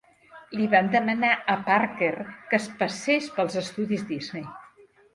Li van demanar a Parker que es passés pels estudis Disney.